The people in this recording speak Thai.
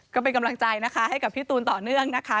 ก็เป็นกำลังใจนะคะให้กับพี่ตูนต่อเนื่องนะคะ